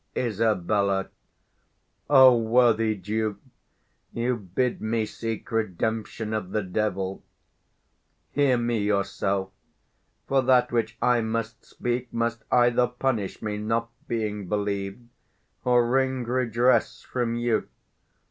Isab. O worthy Duke, You bid me seek redemption of the devil: Hear me yourself; for that which I must speak 30 Must either punish me, not being believed, Or wring redress from you.